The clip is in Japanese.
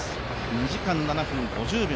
２時間７分５０秒。